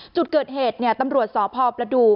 จุดเกิดเหตุตำรวจสพประดูก